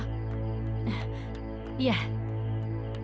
kita akan membuat pagi lebih awal